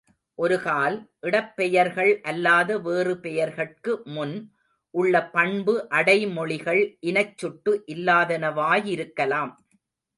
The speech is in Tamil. ஒருகால், இடப் பெயர்கள் அல்லாத வேறு பெயர்கட்கு முன் உள்ள பண்பு அடைமொழிகள் இனச்சுட்டு இல்லாதனவாயிருக்கலாம்.